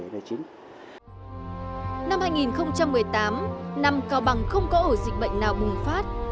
năm hai nghìn một mươi tám năm cao bằng không có ổ dịch bệnh nào bùng phát